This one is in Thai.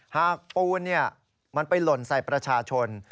ปูนมันไปหล่นใส่ประชาชน